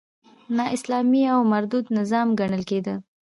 نا اسلامي او مردود نظام ګڼل کېده.